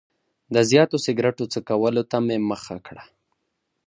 د زیاتو سګرټو څکولو ته مې مخه کړه.